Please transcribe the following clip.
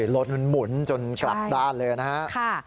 รถหมุนจนกลับด้านเลยนะฮะ